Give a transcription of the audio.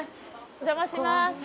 お邪魔します。